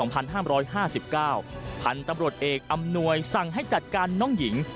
พันธุ์ตำรวจเอกอำนวยสั่งให้จัดการน้องหญิง